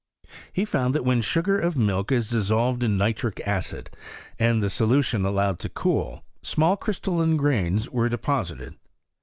He found that when sugar of milk is dissolved in nitric acid, and the solution allowed to cool, small crystalline grains were deposited.